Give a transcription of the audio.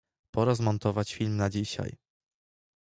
Pora zmontować film na dzisiaj.